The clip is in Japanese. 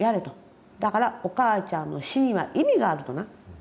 だからお母ちゃんの死には意味があるとな。